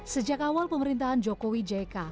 sejak awal pemerintahan jokowi jk